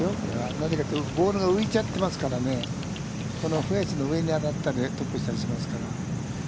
なぜかというと、ボールが浮いちゃってますからね、このフェースの上にだとトップしたりしますから。